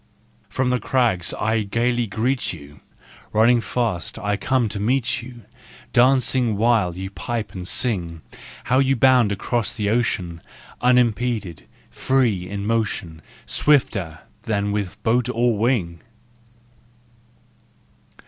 From the crags I gaily greet you, Running fast I come to meet you, Dancing while you pipe and sing. How you bound across the ocean, Unimpeded, free in motion, Swifter than with boat or wing!